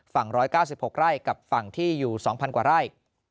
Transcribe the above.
๑๙๖ไร่กับฝั่งที่อยู่๒๐๐กว่าไร่